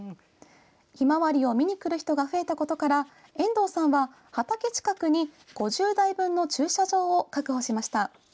ひまわりを見に来る人が増えたことから遠藤さんは畑の近くに５０台分の駐車場を確保しました。